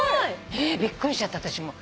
へーびっくりしちゃった私も。